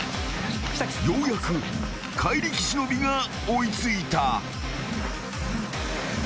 ［ようやく怪力忍が追い付いた］